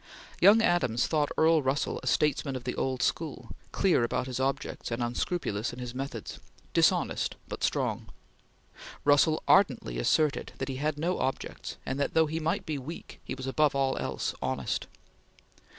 Young Adams thought Earl Russell a statesman of the old school, clear about his objects and unscrupulous in his methods dishonest but strong. Russell ardently asserted that he had no objects, and that though he might be weak he was above all else honest.